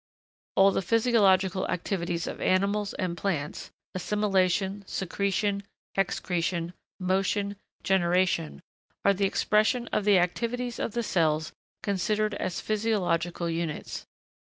All the physiological activities of animals and plants assimilation, secretion, excretion, motion, generation are the expression of the activities of the cells considered as physiological units.